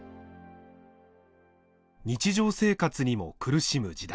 日常生活にも苦しむ時代。